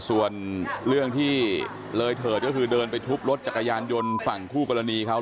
ส่วนเรื่องที่เลยเถิดก็คือเดินไปทุบรถจักรยานยนต์ฝั่งคู่กรณีเขา